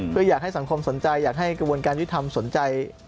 เพื่ออยากให้สังคมสนใจอยากให้กระบวนการยุทธรรมสนใจ